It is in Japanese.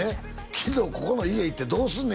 「昨日ここの家行ってどうすんねん？」